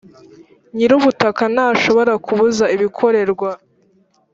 nyir ubutaka ntashobora kubuza ibikorerwa